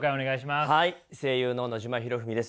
声優の野島裕史です。